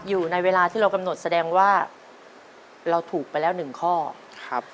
อยู่ในเวลาที่เรากำหนดแสดงว่าเราถูกไปแล้วหนึ่งข้อครับ